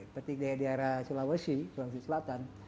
seperti daerah daerah sulawesi sulawesi selatan